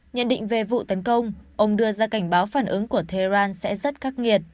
nhận định về vụ tấn công ông đưa ra cảnh báo phản ứng của tehran sẽ rất khắc nghiệt